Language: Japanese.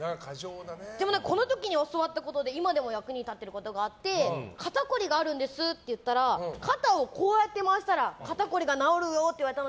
でも、この時に教わったことで今でも役に立ってることがあって肩こりがあるんですって言ったら肩をこうやって回したら肩こりが治るよっていわれて。